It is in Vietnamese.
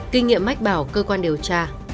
kinh nghiệm mách bảo cơ quan điều tra